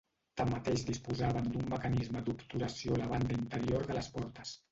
Tanmateix disposaven d'un mecanisme d'obturació a la banda interior de les portes.